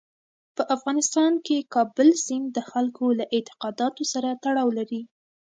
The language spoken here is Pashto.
په افغانستان کې کابل سیند د خلکو له اعتقاداتو سره تړاو لري.